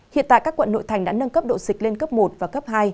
hiện tại các quận nội thành đã nâng cấp độ dịch lên cấp một và cấp hai